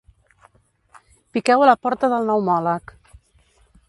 Piqueu a la porta del neumòleg.